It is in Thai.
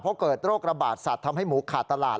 เพราะเกิดโรคระบาดสัตว์ทำให้หมูขาดตลาด